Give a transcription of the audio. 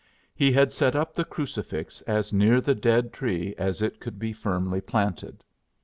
He had set up the crucifix as near the dead tree as it could be firmly planted.